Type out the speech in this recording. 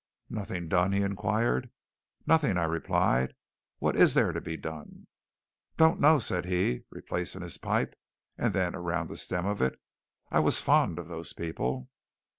"Nothing done?" he inquired. "Nothing," I replied. "What is there to be done?" "Don't know," said he, replacing his pipe; then around the stem of it, "I was fond of those people."